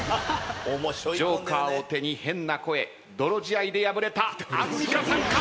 ＪＯＫＥＲを手に変な声泥仕合で敗れたアンミカさんか？